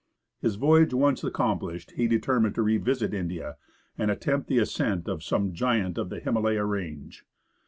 His voyage once accomplished, he determined to revisit India and attempt the ascent of some giant of the Himalaya range.